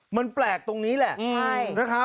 มันแปลกตรงนี้แหละ